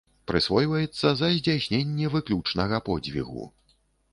Прысвойваецца за здзяйсненне выключнага подзвігу.